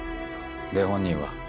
で本人は？